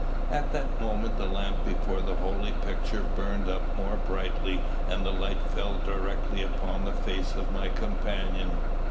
At that moment the lamp before the holy picture burned up more brightly and the light fell directly upon the face of my companion.